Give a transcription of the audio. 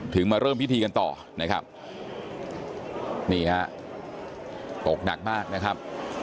มาเริ่มพิธีกันต่อนะครับนี่ฮะตกหนักมากนะครับ